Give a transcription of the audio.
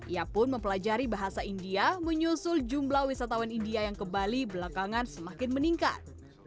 ia pun mempelajari bahasa india menyusul jumlah wisatawan india yang ke bali belakangan semakin meningkat